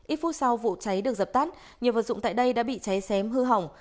ít phút sau vụ cháy được dập tắt nhiều vật dụng tại đây đã bị cháy xém hư hỏng